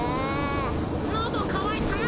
のどかわいたな。